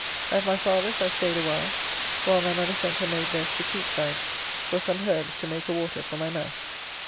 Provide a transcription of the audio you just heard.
At my father's I staid a while, while my mother sent her maid Bess to Cheapside for some herbs to make a water for my mouth.